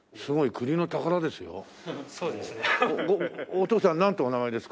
お父さんなんてお名前ですか？